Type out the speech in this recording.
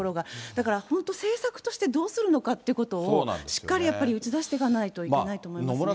だから本当、政策としてどうするのかっていうことを、しっかりやっぱり打ち出していかないといけないと思いますね。